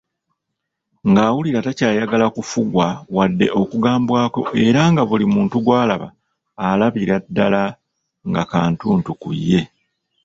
Ng'awulira takyayagala kufugwa wadde okugambwako era nga buli muntu gwalaba alabira ddala nga kantuntu ku ye.